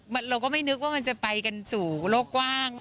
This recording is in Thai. เราก็ไม่นึกว่ามันจะไปกันสู่โลกกว้าง